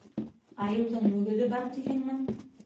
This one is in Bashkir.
Айыуҙың мөгөҙө бар тиһеңме?